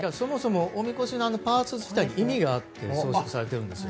おみこしのパーツ自体に意味があって装飾されているんです。